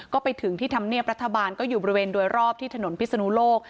ก็ไปถึงที่ธรรมเนียบรัฐบาลก็อยู่บริเวณโดยรอบที่ถนนพิศนุโลก